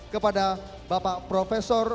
kepada bapak profesor